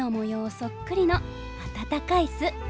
そっくりの温かい巣。